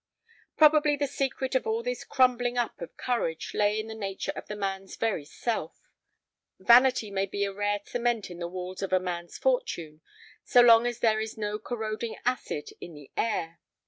Probably the secret of all this crumbling up of courage lay in the nature of the man's very self. Vanity may be a rare cement in the walls of a man's fortune so long as there is no corroding acid in the air.